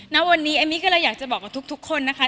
ณวันนี้เอมมี่ก็เลยอยากจะบอกกับทุกคนนะคะ